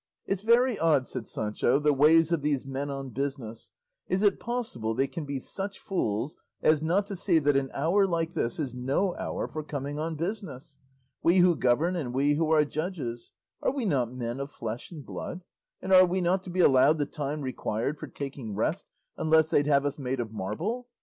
"It's very odd," said Sancho, "the ways of these men on business; is it possible they can be such fools as not to see that an hour like this is no hour for coming on business? We who govern and we who are judges are we not men of flesh and blood, and are we not to be allowed the time required for taking rest, unless they'd have us made of marble?